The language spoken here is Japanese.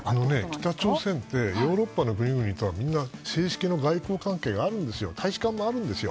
北朝鮮ってヨーロッパの国々とはみんな、正式の外交関係があって大使館もあるんです。